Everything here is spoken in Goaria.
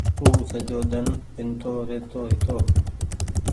او سجو ۮن پينتو رهيتو هيتو۔